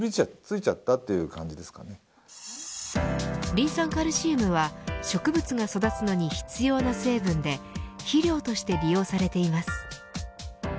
リン酸カルシウムは植物が育つのに必要な成分で肥料として利用されています。